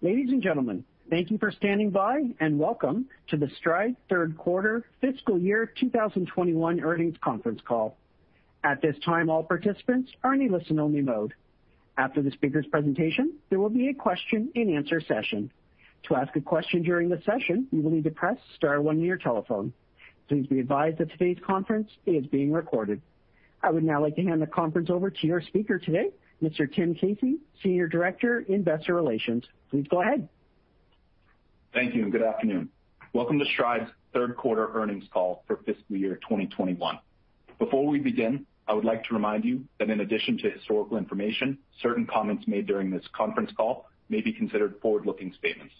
Ladies and gentlemen, thank you for standing by, and welcome to the Stride third quarter fiscal year 2021 earnings conference call. At this time, all participants are in listen-only mode. After the speaker's presentation, there will be a question-and-answer session. To ask a question during the session, you will need to press star one on your telephone. Please be advised that today's conference is being recorded. I would now like to hand the conference over to your speaker today, Mr. Timothy Casey, Senior Director, Investor Relations. Please go ahead. Thank you, and good afternoon. Welcome to Stride's third quarter earnings call for fiscal year 2021. Before we begin, I would like to remind you that in addition to historical information, certain comments made during this conference call may be considered forward-looking statements.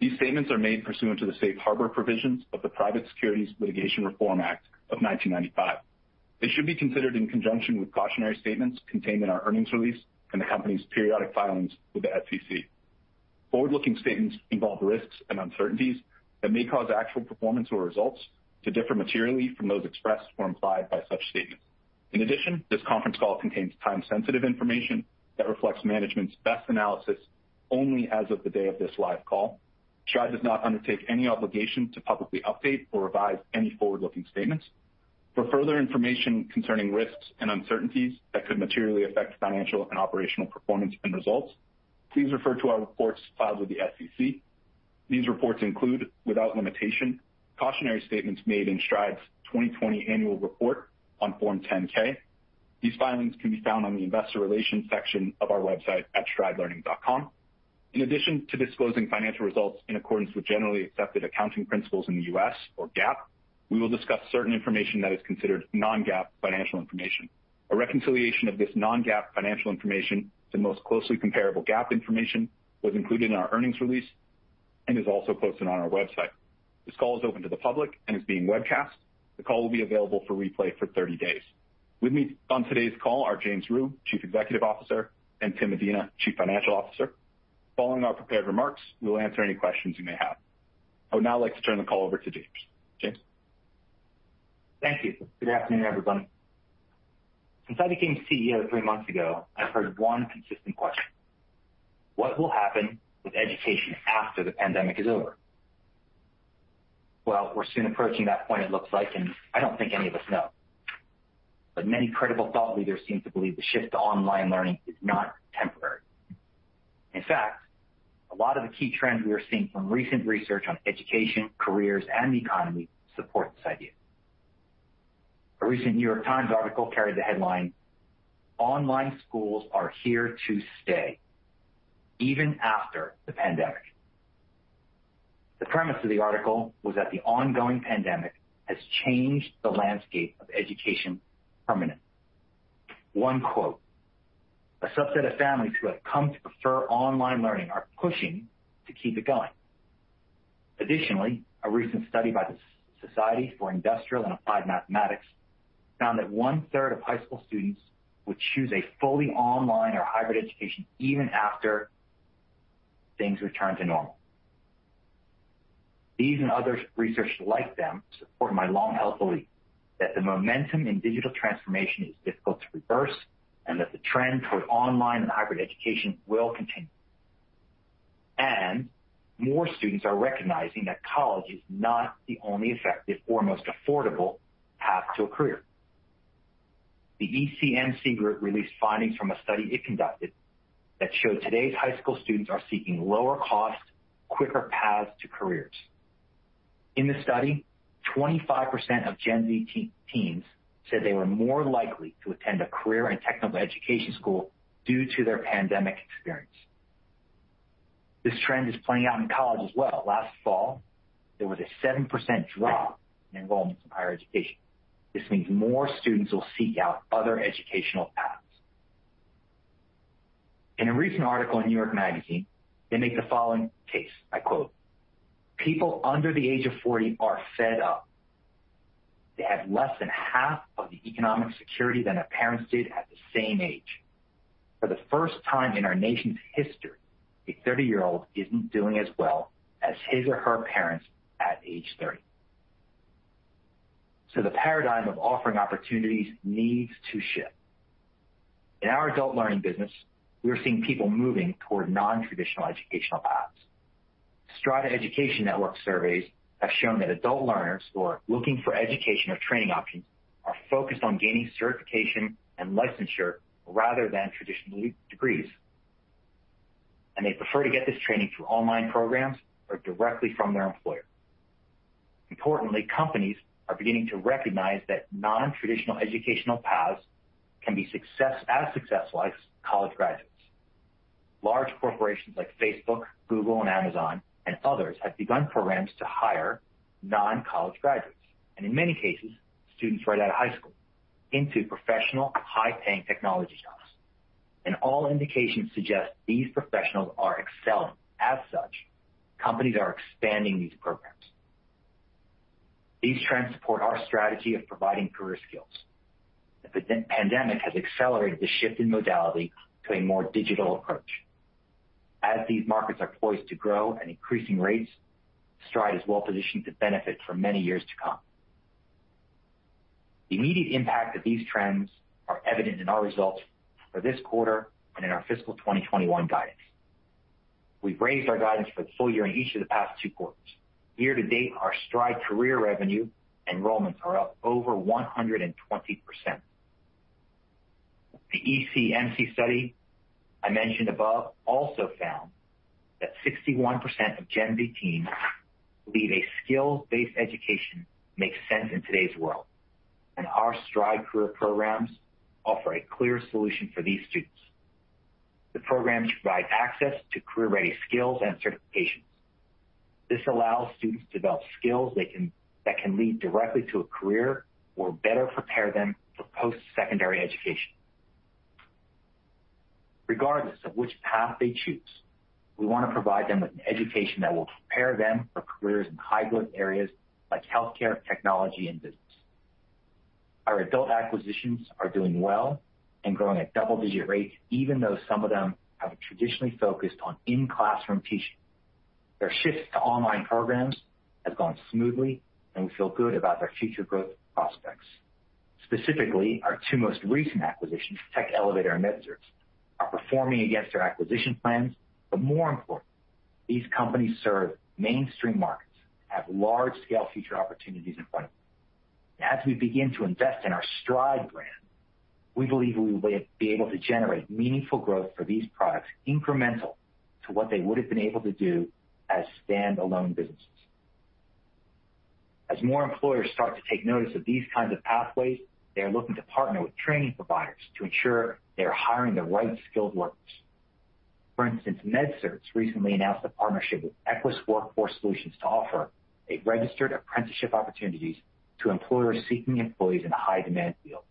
These statements are made pursuant to the safe harbor provisions of the Private Securities Litigation Reform Act of 1995. They should be considered in conjunction with cautionary statements contained in our earnings release and the company's periodic filings with the SEC. Forward-looking statements involve risks and uncertainties that may cause actual performance or results to differ materially from those expressed or implied by such statements. In addition, this conference call contains time-sensitive information that reflects management's best analysis only as of the day of this live call. Stride does not undertake any obligation to publicly update or revise any forward-looking statements. For further information concerning risks and uncertainties that could materially affect financial and operational performance and results, please refer to our reports filed with the SEC. These reports include, without limitation, cautionary statements made in Stride's 2020 annual report on Form 10-K. These filings can be found on the investor relations section of our website at stridelearning.com. In addition to disclosing financial results in accordance with generally accepted accounting principles in the U.S. or GAAP, we will discuss certain information that is considered non-GAAP financial information. A reconciliation of this non-GAAP financial information to the most closely comparable GAAP information was included in our earnings release and is also posted on our website. This call is open to the public and is being webcast. The call will be available for replay for 30 days. With me on today's call are James Rhyu, Chief Executive Officer, and Tim Medina, Chief Financial Officer. Following our prepared remarks, we will answer any questions you may have. I would now like to turn the call over to James. James? Thank you. Good afternoon, everyone. Since I became CEO three months ago, I've heard one consistent question: What will happen with education after the pandemic is over? Well, we're soon approaching that point, it looks like, and I don't think any of us know. Many credible thought leaders seem to believe the shift to online learning is not temporary. In fact, a lot of the key trends we are seeing from recent research on education, careers, and the economy support this idea. A recent The New York Times article carried the headline, Online Schools Are Here to Stay Even After the Pandemic. The premise of the article was that the ongoing pandemic has changed the landscape of education permanently. One quote, "A subset of families who have come to prefer online learning are pushing to keep it going." Additionally, a recent study by the Society for Industrial and Applied Mathematics found that 1/3 of high school students would choose a fully online or hybrid education even after things return to normal. These and other research like them support my long-held belief that the momentum in digital transformation is difficult to reverse and that the trend toward online and hybrid education will continue and more students are recognizing that college is not the only effective or most affordable path to a career. The ECMC Group released findings from a study it conducted that showed today's high school students are seeking lower cost, quicker paths to careers. In the study, 25% of Gen Z teens said they were more likely to attend a career and technical education school due to their pandemic experience. This trend is playing out in college as well. Last fall, there was a 7% drop in enrollment in higher education. This means more students will seek out other educational paths. In a recent article in New York Magazine, they make the following case. I quote, "People under the age of 40 are fed up. They have less than half of the economic security than their parents did at the same age. For the first time in our nation's history, a 30-year-old isn't doing as well as his or her parents at age 30." The paradigm of offering opportunities needs to shift. In our Adult Learning business, we are seeing people moving toward non-traditional educational paths. Strada Education Network surveys have shown that adult learners who are looking for education or training options are focused on gaining certification and licensure rather than traditional degrees. They prefer to get this training through online programs or directly from their employer. Importantly, companies are beginning to recognize that non-traditional educational paths can be as successful as college graduates. Large corporations like Facebook, Google, and Amazon and others have begun programs to hire non-college graduates, and in many cases, students right out of high school into professional high-paying technology jobs and all indications suggest these professionals are excelling. As such, companies are expanding these programs. These trends support our strategy of providing career skills. The pandemic has accelerated the shift in modality to a more digital approach. As these markets are poised to grow at increasing rates, Stride is well positioned to benefit for many years to come. The immediate impact of these trends are evident in our results for this quarter and in our fiscal 2021 guidance. We've raised our guidance for the full year in each of the past two quarters. Year-to-date, our Stride Career revenue enrollments are up over 120%. The ECMC study I mentioned above also found that 61% of Gen Z teens believe a skills-based education makes sense in today's world, and our Stride Career programs offer a clear solution for these students. The programs provide access to career-ready skills and certifications. This allows students to develop skills that can lead directly to a career or better prepare them for post-secondary education. Regardless of which path they choose, we wanna provide them with an education that will prepare them for careers in high-growth areas like healthcare, technology, and business. Our adult acquisitions are doing well and growing at double-digit rates, even though some of them have traditionally focused on in-classroom teaching. Their shift to online programs has gone smoothly, and we feel good about their future growth prospects. Specifically, our two most recent acquisitions, Tech Elevator and MedCerts, are performing against their acquisition plans. More importantly, these companies serve mainstream markets, have large-scale future opportunities in front of them. As we begin to invest in our Stride brand, we believe we will be able to generate meaningful growth for these products incremental to what they would have been able to do as standalone businesses. As more employers start to take notice of these kinds of pathways, they are looking to partner with training providers to ensure they are hiring the right-skilled workers. For instance, MedCerts recently announced a partnership with Equus Workforce Solutions to offer a registered apprenticeship opportunities to employers seeking employees in high-demand fields.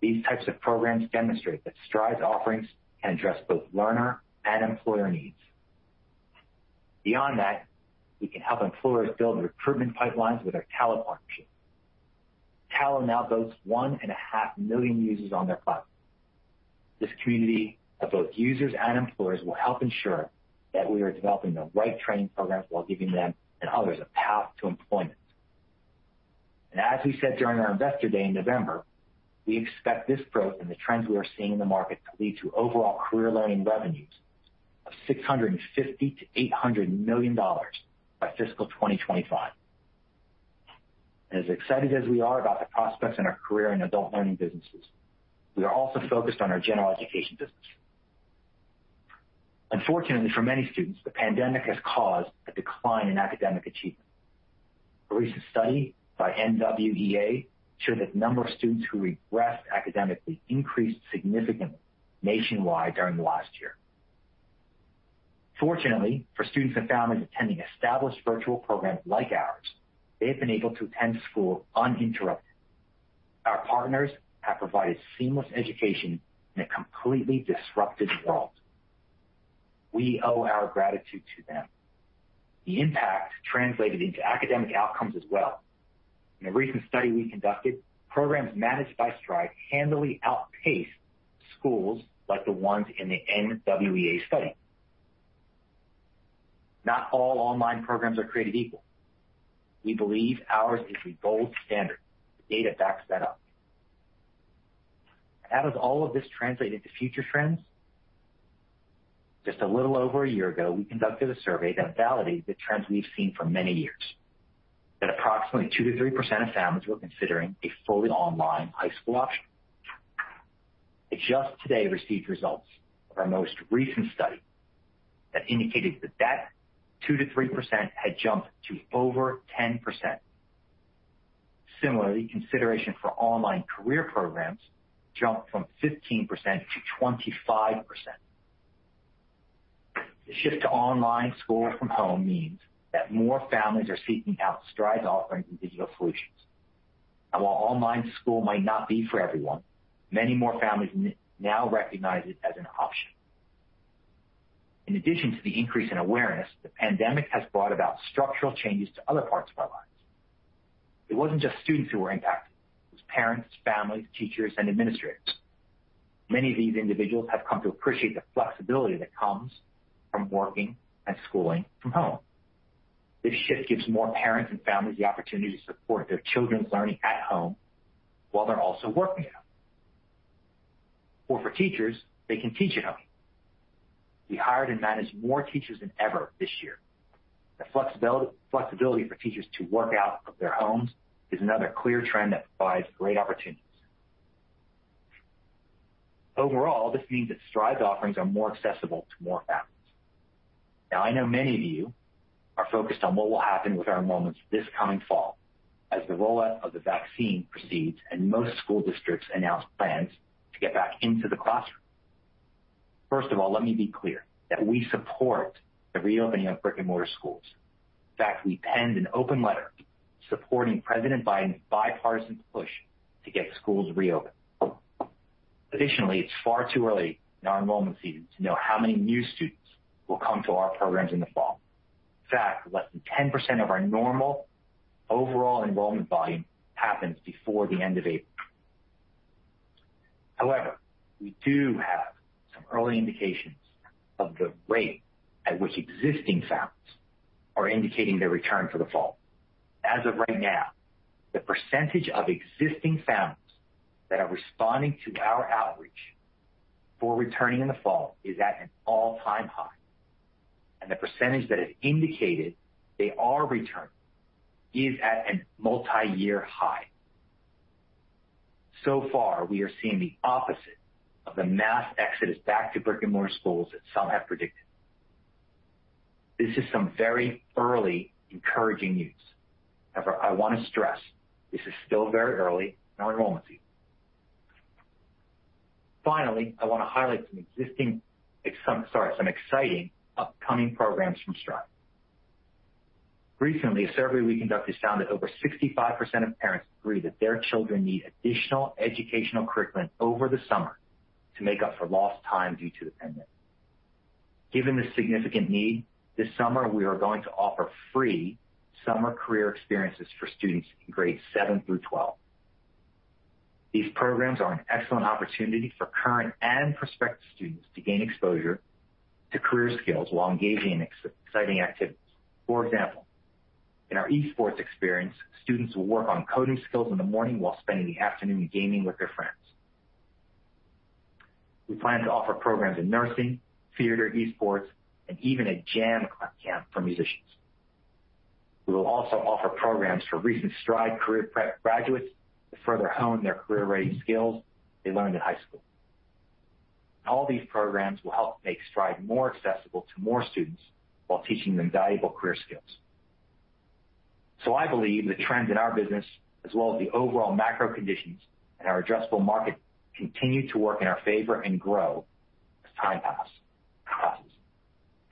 These types of programs demonstrate that Stride's offerings can address both learner and employer needs. Beyond that, we can help employers build recruitment pipelines with our Tallo partnership. Tallo now boasts 1.5 million users on their platform. This community of both users and employers will help ensure that we are developing the right training programs while giving them and others a path to employment. As we said during our Investor Day in November, we expect this growth and the trends we are seeing in the market to lead to overall Career Learning revenues of $650 million-$800 million by fiscal 2025. As excited as we are about the prospects in our Career Learning and Adult Learning businesses, we are also focused on our General Education business. Unfortunately for many students, the pandemic has caused a decline in academic achievement. A recent study by NWEA showed that the number of students who regressed academically increased significantly nationwide during the last year. Fortunately, for students and families attending established virtual programs like ours, they have been able to attend school uninterrupted. Our partners have provided seamless education in a completely disrupted world. We owe our gratitude to them. The impact translated into academic outcomes as well. In a recent study we conducted, programs managed by Stride handily outpaced schools like the ones in the NWEA study. Not all online programs are created equal. We believe ours is the gold standard. Data backs that up. How does all of this translate into future trends? Just a little over a year ago, we conducted a survey that validated the trends we've seen for many years, that approximately 2%-3% of families were considering a fully online high school option. I just today received results of our most recent study that indicated that that 2%-3% had jumped to over 10%. Similarly, consideration for online career programs jumped from 15% to 25%. The shift to online school from home means that more families are seeking out Stride's offerings and digital solutions. While online school might not be for everyone, many more families now recognize it as an option. In addition to the increase in awareness, the pandemic has brought about structural changes to other parts of our lives. It wasn't just students who were impacted. It was parents, families, teachers, and administrators. Many of these individuals have come to appreciate the flexibility that comes from working and schooling from home. This shift gives more parents and families the opportunity to support their children's learning at home while they're also working at home. For teachers, they can teach at home. We hired and managed more teachers than ever this year. The flexibility for teachers to work out of their homes is another clear trend that provides great opportunities. Overall, this means that Stride's offerings are more accessible to more families. Now, I know many of you are focused on what will happen with our enrollments this coming fall as the rollout of the vaccine proceeds and most school districts announce plans to get back into the classroom. First of all, let me be clear that we support the reopening of brick-and-mortar schools. In fact, we penned an open letter supporting President Biden's bipartisan push to get schools reopened. Additionally, it's far too early in our enrollment season to know how many new students will come to our programs in the fall. In fact, less than 10% of our normal overall enrollment volume happens before the end of April, however, we do have some early indications of the rate at which existing families are indicating their return for the fall. As of right now, the percentage of existing families that are responding to our outreach for returning in the fall is at an all-time high. The percentage that have indicated they are returning is at a multi-year high. So far, we are seeing the opposite of the mass exodus back to brick-and-mortar schools that some have predicted. This is some very early encouraging news. However, I want to stress this is still very early in our enrollment season. Finally, I want to highlight some exciting upcoming programs from Stride. Recently, a survey we conducted found that over 65% of parents agree that their children need additional educational curriculum over the summer to make up for lost time due to the pandemic. Given the significant need, this summer we are going to offer free summer career experiences for students in grades 7 through 12. These programs are an excellent opportunity for current and prospective students to gain exposure to career skills while engaging in exciting activities. For example, in our e-sports experience, students will work on coding skills in the morning while spending the afternoon gaming with their friends. We plan to offer programs in nursing, theater, e-sports, and even a jam camp for musicians. We will also offer programs for recent Stride Career Prep graduates to further hone their career-ready skills they learned in high school. All these programs will help make Stride more accessible to more students while teaching them valuable career skills. I believe the trends in our business, as well as the overall macro conditions in our addressable market, continue to work in our favor and grow as time passes.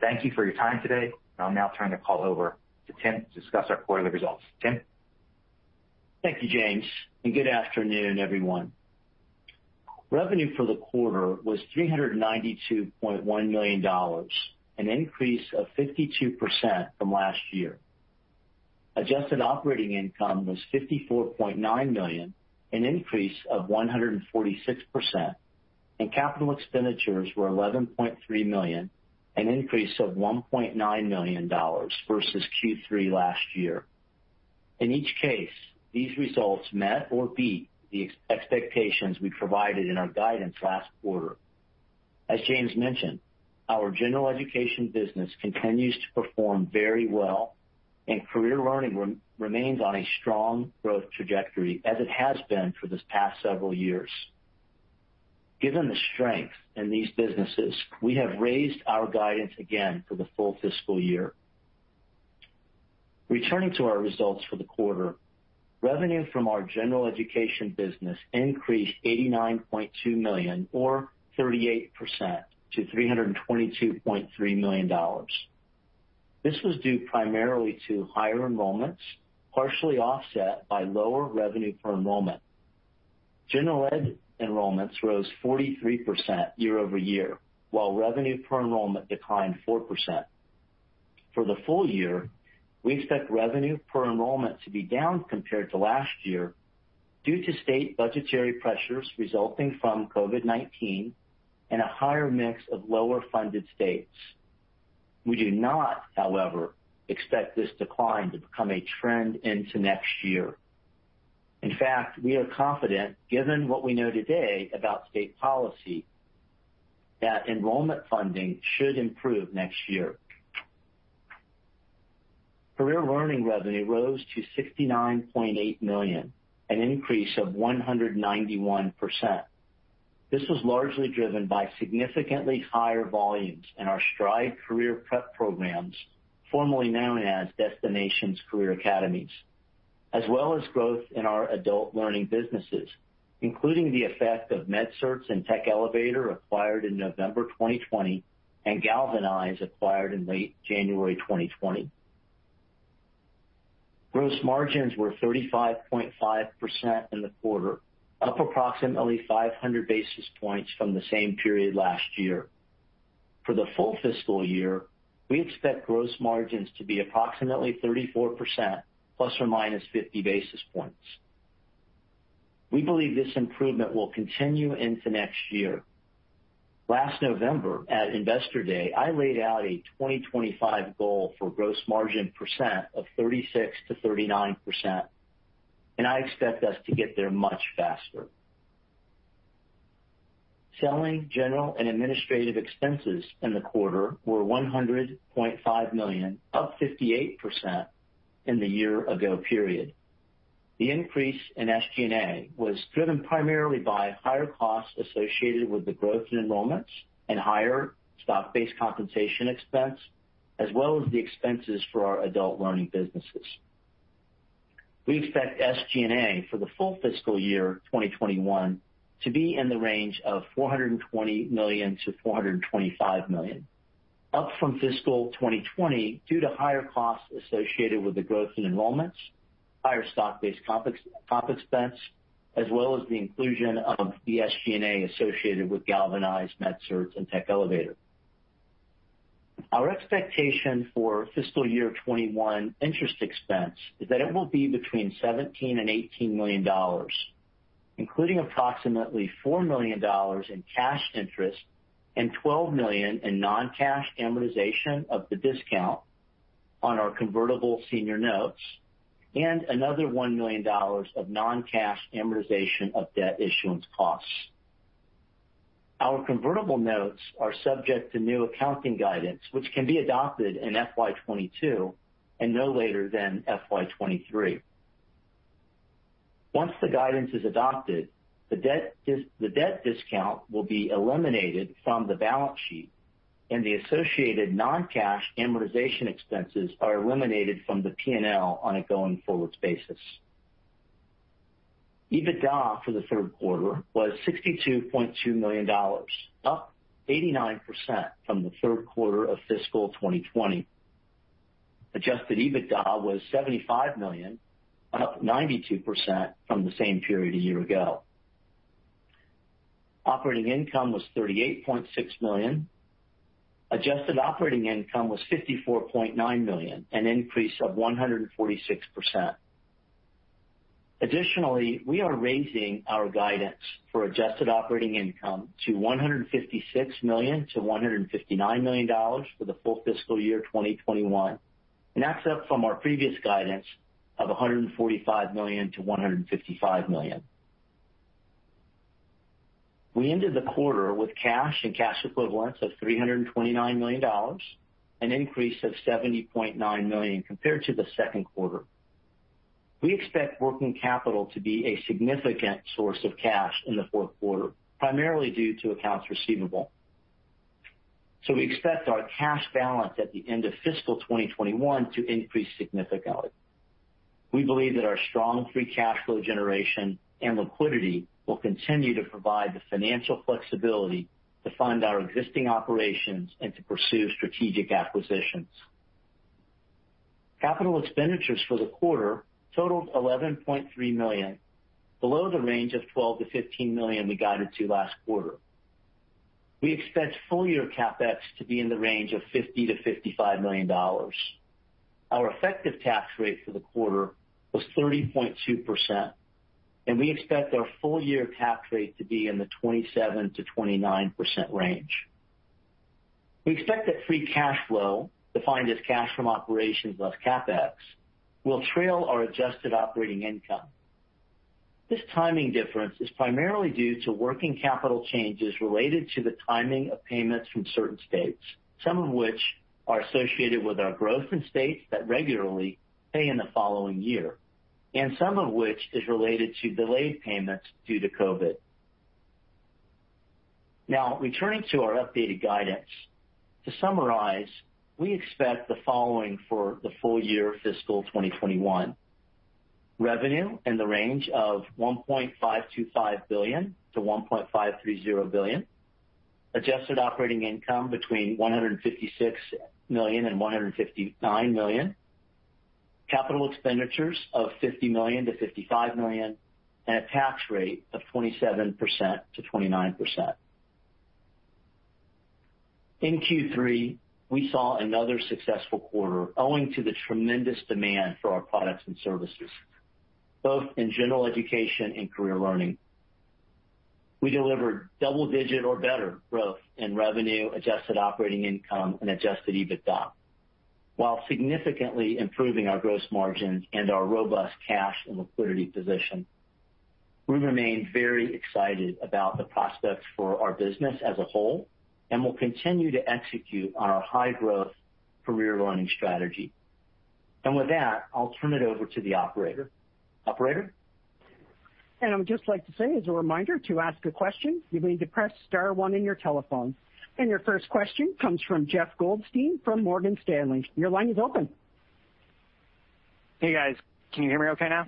Thank you for your time today. I'll now turn the call over to Tim to discuss our quarterly results. Tim? Thank you, James, and good afternoon, everyone. Revenue for the quarter was $392.1 million, an increase of 52% from last year. adjusted operating income was $54.9 million, an increase of 146%. Capital expenditures were $11.3 million, an increase of $1.9 million versus Q3 last year. In each case, these results met or beat the expectations we provided in our guidance last quarter. As James mentioned, our General Education business continues to perform very well, and Career Learning remains on a strong growth trajectory as it has been for this past several years. Given the strength in these businesses, we have raised our guidance again for the full fiscal year. Returning to our results for the quarter, revenue from our General Education business increased $89.2 million or 38% to $322.3 million. This was due primarily to higher enrollments, partially offset by lower revenue per enrollment. General Ed enrollments rose 43% year-over-year, while revenue per enrollment declined 4%. For the full year, we expect revenue per enrollment to be down compared to last year due to state budgetary pressures resulting from COVID-19 and a higher mix of lower-funded states. We do not, however, expect this decline to become a trend into next year. In fact, we are confident, given what we know today about state policy, that enrollment funding should improve next year. Career Learning revenue rose to $69.8 million, an increase of 191%. This was largely driven by significantly higher volumes in our Stride Career Prep programs, formerly known as Destinations Career Academies, as well as growth in our Adult Learning businesses, including the effect of MedCerts and Tech Elevator acquired in November 2020, and Galvanize acquired in late January 2020. Gross margins were 35.5% in the quarter, up approximately 500 basis points from the same period last year. For the full fiscal year, we expect gross margins to be approximately 34% ±50 basis points. We believe this improvement will continue into next year. Last November at Investor Day, I laid out a 2025 goal for gross margin percent of 36%-39%, and I expect us to get there much faster. Selling, general, and administrative expenses in the quarter were $100.5 million, up 58% in the year ago period. The increase in SG&A was driven primarily by higher costs associated with the growth in enrollments and higher stock-based compensation expense, as well as the expenses for our Adult Learning businesses. We expect SG&A for the full fiscal year 2021 to be in the range of $420 million-$425 million, up from fiscal 2020 due to higher costs associated with the growth in enrollments, higher stock-based comp expense, as well as the inclusion of the SG&A associated with Galvanize, MedCerts, and Tech Elevator. Our expectation for fiscal year 2021 interest expense is that it will be between $17 million and $18 million, including approximately $4 million in cash interest and $12 million in non-cash amortization of the discount on our convertible senior notes, and another $1 million of non-cash amortization of debt issuance costs. Our convertible notes are subject to new accounting guidance, which can be adopted in FY 2022 and no later than FY 2023. Once the guidance is adopted, the debt discount will be eliminated from the balance sheet, and the associated non-cash amortization expenses are eliminated from the P&L on a going-forwards basis. EBITDA for the third quarter was $62.2 million, up 89% from the third quarter of fiscal 2020. adjusted EBITDA was $75 million, up 92% from the same period a year ago. Operating income was $38.6 million. adjusted operating income was $54.9 million, an increase of 146%. Additionally, we are raising our guidance for adjusted operating income to $156 million-$159 million for the full fiscal year 2021, and that's up from our previous guidance of $145 million-$155 million. We ended the quarter with cash and cash equivalents of $329 million, an increase of $70.9 million compared to the second quarter. We expect working capital to be a significant source of cash in the fourth quarter, primarily due to accounts receivable. We expect our cash balance at the end of fiscal 2021 to increase significantly. We believe that our strong free cash flow generation and liquidity will continue to provide the financial flexibility to fund our existing operations and to pursue strategic acquisitions. Capital expenditures for the quarter totaled $11.3 million, below the range of $12 million-$15 million we guided to last quarter. We expect full-year CapEx to be in the range of $50 million-$55 million. Our effective tax rate for the quarter was 30.2%, and we expect our full-year tax rate to be in the 27%-29% range. We expect that free cash flow, defined as cash from operations less CapEx, will trail our adjusted operating income. This timing difference is primarily due to working capital changes related to the timing of payments from certain states, some of which are associated with our growth in states that regularly pay in the following year, and some of which is related to delayed payments due to COVID. Now, returning to our updated guidance, to summarize, we expect the following for the full year fiscal 2021: revenue in the range of $1.525 billion-$1.530 billion, adjusted operating income between $156 million and $159 million, capital expenditures of $50 million-$55 million, and a tax rate of 27%-29%. In Q3, we saw another successful quarter owing to the tremendous demand for our products and services, both in General Education and Career Learning. We delivered double-digit or better growth in revenue, adjusted operating income, and adjusted EBITDA, while significantly improving our gross margins and our robust cash and liquidity position. We remain very excited about the prospects for our business as a whole and will continue to execute our high-growth Career Learning strategy. With that, I'll turn it over to the operator. Operator? I would just like to say as a reminder, to ask a question, you'll need to press star one in your telephone. Your first question comes from Jeff Goldstein from Morgan Stanley. Your line is open. Hey, guys. Can you hear me okay now?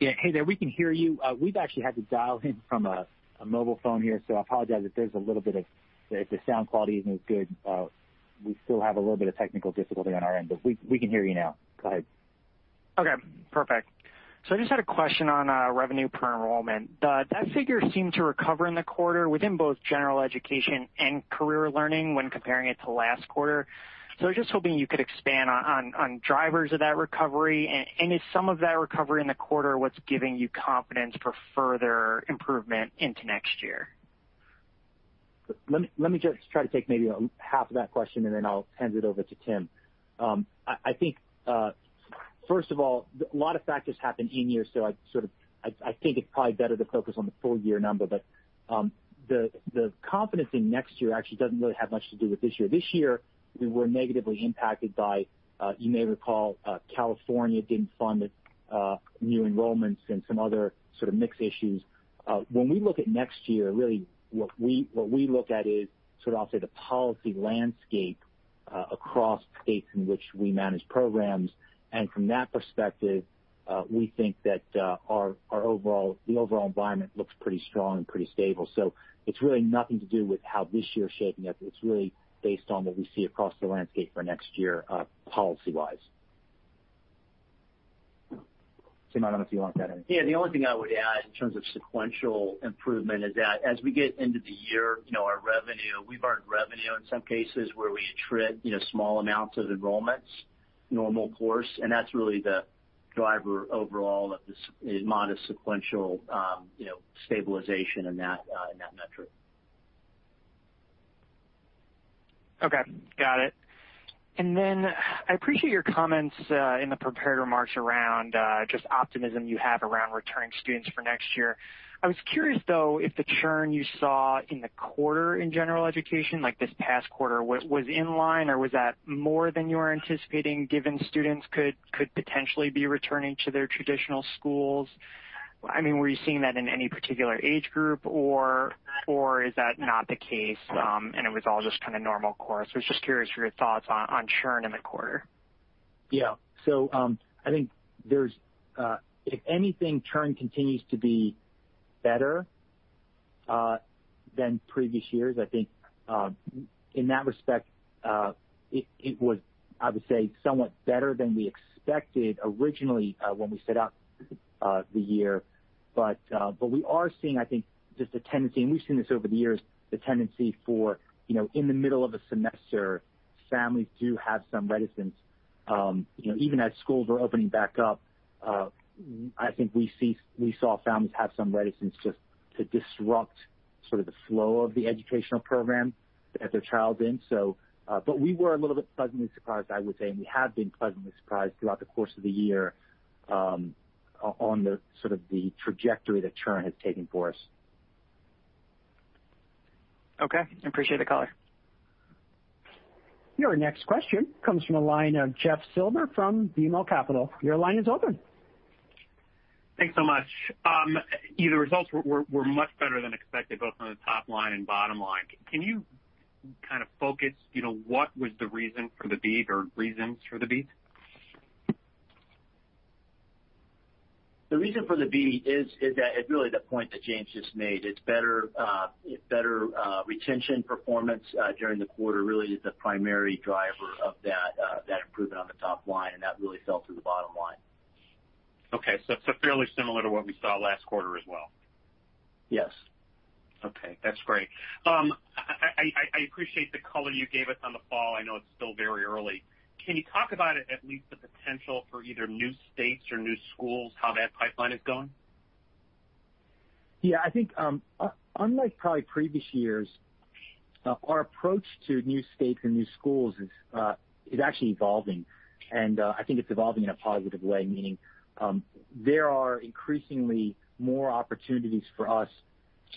Yeah. Hey there, we can hear you. We've actually had to dial in from a mobile phone here, so I apologize if there's a little bit of if the sound quality isn't as good. We still have a little bit of technical difficulty on our end, but we can hear you now. Go ahead. Okay, perfect. I just had a question on revenue per enrollment. That figure seemed to recover in the quarter within both General Education and Career Learning when comparing it to last quarter. I was just hoping you could expand on drivers of that recovery. Is some of that recovery in the quarter what's giving you confidence for further improvement into next year? Let me just try to take maybe half of that question, and then I'll hand it over to Tim. I think first of all, a lot of factors happened in here, so I think it's probably better to focus on the full-year number. The confidence in next year actually doesn't really have much to do with this year. This year, we were negatively impacted by, you may recall, California didn't fund new enrollments and some other sort of mixed issues. When we look at next year, really what we look at is sort of, I'll say, the policy landscape across states in which we manage programs. From that perspective, we think that the overall environment looks pretty strong and pretty stable. It's really nothing to do with how this year's shaping up. It's really based on what we see across the landscape for next year, policy-wise. Tim, I don't know if you want to add anything. Yeah, the only thing I would add in terms of sequential improvement is that as we get into the year, you know, our revenue we've earned revenue in some cases where we attrit, you know, small amounts of enrollments, normal course and that's really the driver overall of this modest sequential, you know, stabilization in that in that metric. Okay. Got it. I appreciate your comments in the prepared remarks around just optimism you have around returning students for next year. I was curious, though, if the churn you saw in the quarter in General Education, like this past quarter, was in line, or was that more than you were anticipating given students could potentially be returning to their traditional schools? I mean, were you seeing that in any particular age group, or is that not the case, and it was all just kind of normal course? I was just curious for your thoughts on churn in the quarter. I think there's if anything, churn continues to be better than previous years. I think in that respect, it was, I would say, somewhat better than we expected originally when we set out the year. We are seeing, I think, just a tendency, and we've seen this over the years, the tendency for, you know, in the middle of a semester, families do have some reticence, you know, even as schools are opening back up, I think we saw families have some reticence just to disrupt sort of the flow of the educational program that their child's in. We were a little bit pleasantly surprised, I would say, and we have been pleasantly surprised throughout the course of the year, on the sort of the trajectory that churn has taken for us. Okay. Appreciate the color. Your next question comes from the line of Jeff Silber from BMO Capital. Your line is open. Thanks so much. You know, the results were much better than expected, both on the top line and bottom line. Can you kind of focus, you know, what was the reason for the beat or reasons for the beat? The reason for the beat is that it's really the point that James just made. It's better retention performance during the quarter really is the primary driver of that improvement on the top line, and that really fell through the bottom line. Okay. Fairly similar to what we saw last quarter as well. Yes. Okay. That's great. I appreciate the color you gave us on the fall. I know it's still very early. Can you talk about at least the potential for either new states or new schools, how that pipeline is going? Yeah. I think, unlike probably previous years, our approach to new states and new schools is actually evolving. I think it's evolving in a positive way, meaning, there are increasingly more opportunities for us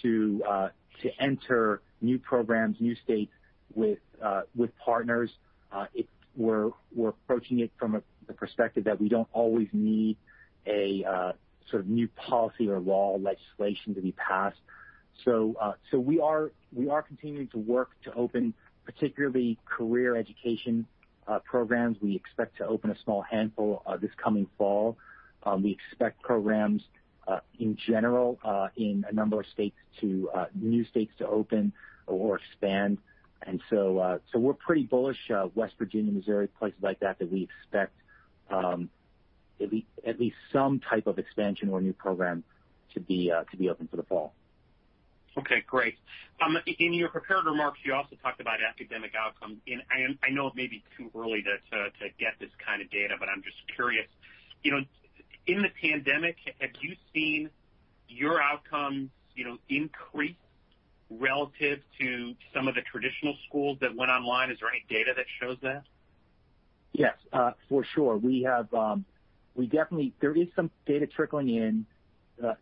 to enter new programs, new states with partners. We're approaching it from the perspective that we don't always need a sort of new policy or law legislation to be passed. We are continuing to work to open particularly career education programs. We expect to open a small handful this coming fall. We expect programs in general, in a number of states to new states to open or expand. We're pretty bullish, West Virginia, Missouri, places like that we expect, at least some type of expansion or new program to be open for the fall. Okay. Great. In your prepared remarks, you also talked about academic outcomes. I know it may be too early to get this kind of data, but I'm just curious. You know, in the pandemic, have you seen your outcomes, you know, increase relative to some of the traditional schools that went online? Is there any data that shows that? Yes, for sure. We have. There is some data trickling in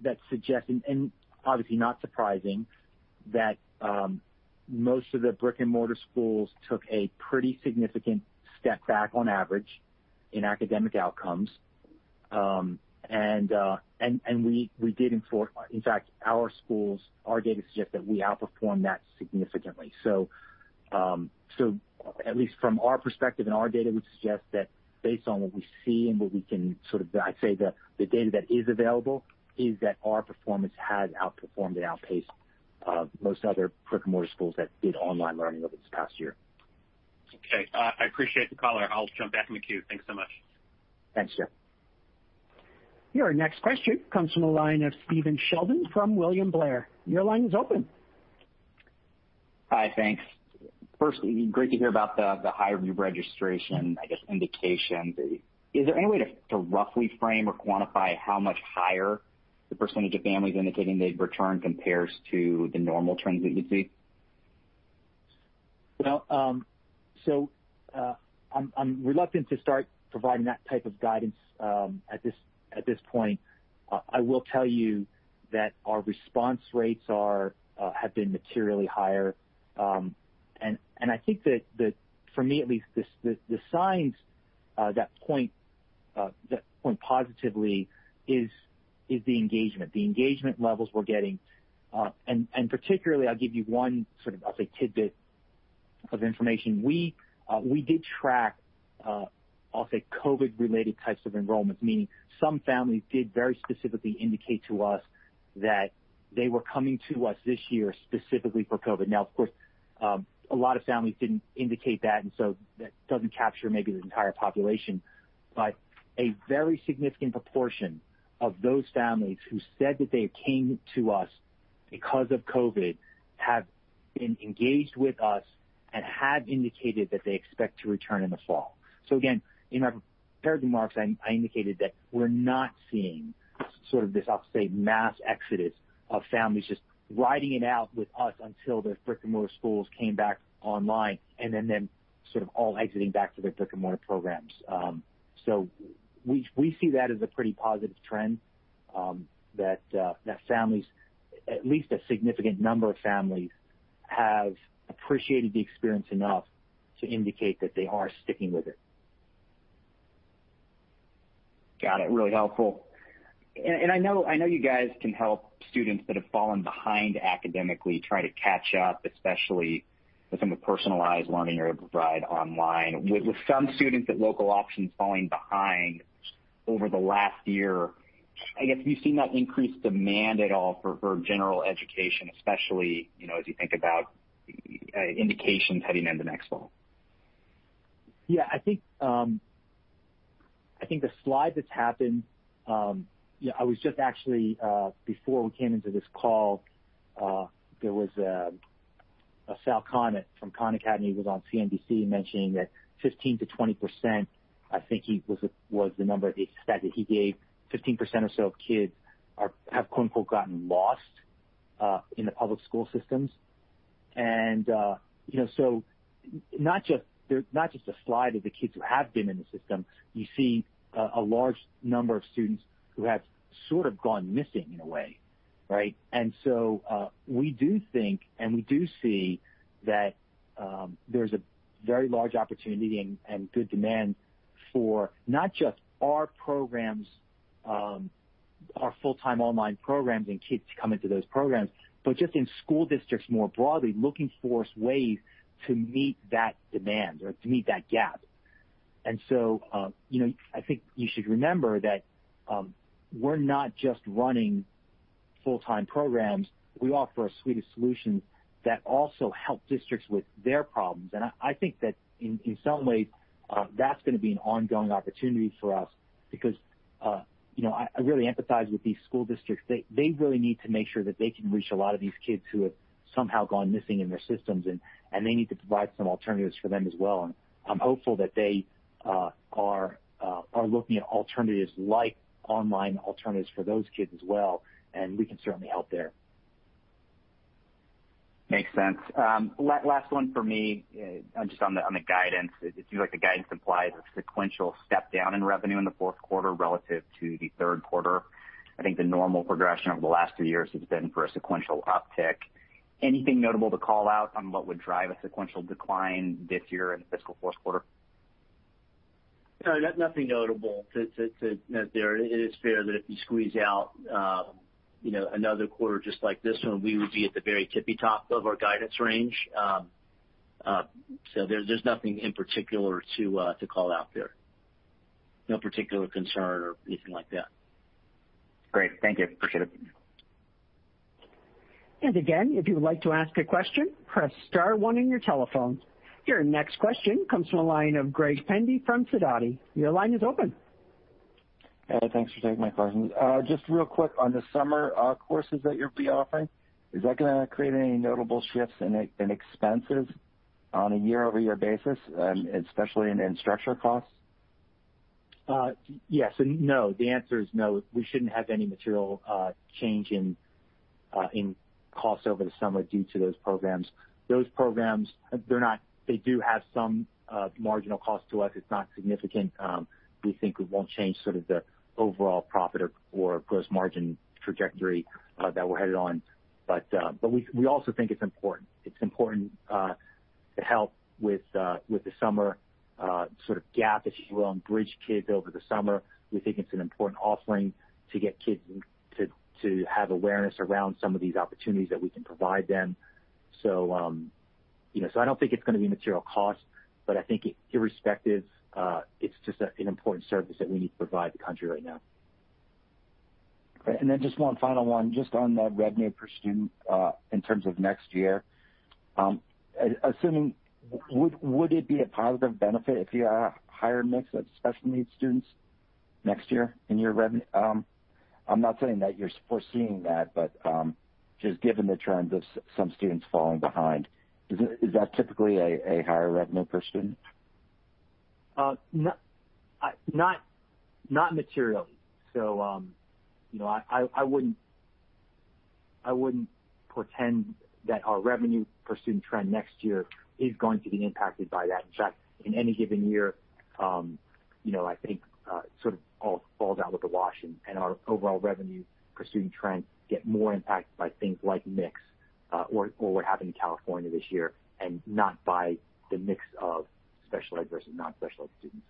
that's suggesting, and obviously not surprising, that most of the brick-and-mortar schools took a pretty significant step back on average in academic outcomes. We, we did in fact, our schools, our data suggests that we outperformed that significantly. At least from our perspective and our data would suggest that based on what we see and what we can sort of, I'd say the data that is available, is that our performance has outperformed and outpaced most other brick-and-mortar schools that did online learning over this past year. Okay. I appreciate the color. I'll jump back in the queue. Thanks so much. Thanks, Jeff. Your next question comes from the line of Stephen Sheldon from William Blair. Your line is open. Hi. Thanks. First, great to hear about the higher re-registration, I guess, indication. Is there any way to roughly frame or quantify how much higher the percentage of families indicating they'd return compares to the normal trends that you'd see? I'm reluctant to start providing that type of guidance at this point. I will tell you that our response rates have been materially higher. I think that for me at least, the signs that point that point positively is the engagement levels we're getting. Particularly, I'll give you on sort of, I'll say, tidbit of information. We did track, I'll say COVID-related types of enrollments, meaning some families did very specifically indicate to us that they were coming to us this year specifically for COVID. Now, of course, a lot of families didn't indicate that doesn't capture maybe the entire population. A very significant proportion of those families who said that they came to us because of COVID have been engaged with us and have indicated that they expect to return in the fall. Again, in my prepared remarks, I indicated that we're not seeing sort of this, I'll say, mass exodus of families just riding it out with us until their brick-and-mortar schools came back online and then sort of all exiting back to their brick-and-mortar programs. We see that as a pretty positive trend that families, at least a significant number of families, have appreciated the experience enough to indicate that they are sticking with it. Got it. Really helpful. I know you guys can help students that have fallen behind academically try to catch up, especially with some of the personalized learning you're able to provide online. With some students at local options falling behind over the last year, I guess, have you seen that increased demand at all for General Education, especially, you know, as you think about indications heading into next fall? Yeah, I think the slide that's happened. You know, I was just actually, before we came into this call, there was Sal Khan from Khan Academy was on CNBC mentioning that 15%-20%, I think he was the number, the stat that he gave. 15% or so of kids are, have "gotten lost," in the public school systems. Not just, there's not just a slide of the kids who have been in the system. You're seeing a large number of students who have sort of gone missing in a way, right? We do think, and we do see that, there's a very large opportunity and good demand for not just our programs, our full-time online programs and kids who come into those programs, but just in school districts more broadly looking for ways to meet that demand or to meet that gap. You know, I think you should remember that, we're not just running full-time programs. We offer a suite of solutions that also help districts with their problems. I think that in some ways, that's gonna be an ongoing opportunity for us because, you know, I really empathize with these school districts. They really need to make sure that they can reach a lot of these kids who have somehow gone missing in their systems and they need to provide some alternatives for them as well. I'm hopeful that they are looking at alternatives like online alternatives for those kids as well, and we can certainly help there. Makes sense. Last one for me, just on the guidance. It seems like the guidance implies a sequential step down in revenue in the fourth quarter relative to the third quarter. I think the normal progression over the last two years has been for a sequential uptick. Anything notable to call out on what would drive a sequential decline this year in the fiscal fourth quarter? No, nothing notable to note there. It is fair that if you squeeze out, you know, another quarter just like this one, we would be at the very tippy top of our guidance range. There's nothing in particular to call out there. No particular concern or anything like that. Great. Thank you. Appreciate it. Again, if you would like to ask a question, press star one on your telephone. Your next question comes from the line of Greg Pendy from Sidoti. Your line is open. Hey, thanks for taking my questions. Just real quick on the summer courses that you'll be offering. Is that gonna create any notable shifts in expenses on a year-over-year basis, especially in structural costs? Yes and no. The answer is no. We shouldn't have any material change in costs over the summer due to those programs. Those programs, they do have some marginal cost to us. It's not significant. We think it won't change sort of the overall profit or gross margin trajectory that we're headed on. We also think it's important. It's important to help with the summer sort of gap, if you will, and bridge kids over the summer. We think it's an important offering to get kids to have awareness around some of these opportunities that we can provide them. You know, so I don't think it's gonna be a material cost, but I think irrespective, it's just an important service that we need to provide the country right now. Great. Just one final one just on the revenue per student in terms of next year. Would it be a positive benefit if you had a higher mix of special needs students next year in your revenue? I'm not saying that you're foreseeing that, but just given the trends of some students falling behind, is that typically a higher revenue per student? Not materially, you know, I wouldn't pretend that our revenue per student trend next year is going to be impacted by that. In fact, in any given year, you know, I think it sort of all falls out with the wash and our overall revenue per student trends get more impacted by things like mix or what happened in California this year, and not by the mix of special ed versus non-special ed students.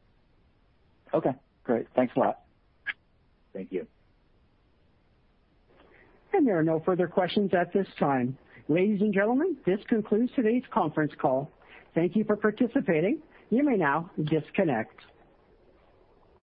Okay, great. Thanks a lot. Thank you. There are no further questions at this time. Ladies and gentlemen, this concludes today's conference call. Thank you for participating. You may now disconnect.